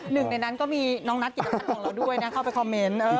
หนึ่งในนั้นก็มีน้องนัทกิจพัฒน์ของเราด้วยนะเข้าไปคอมเมนต์